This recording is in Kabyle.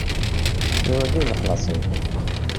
D wagi i d lexlaṣ-iw.